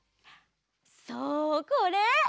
そうこれ！